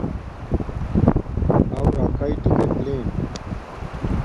او راکای ٹکٹ لیم